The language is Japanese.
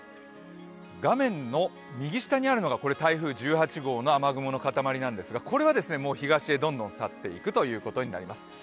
画面の右下にあるのが台風１８号の雨雲の塊なんですがこれはもう東へどんどん去っていくということになります。